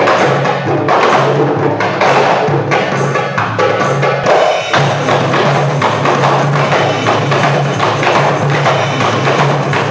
assalamualaikum warahmatullahi wabarakatuh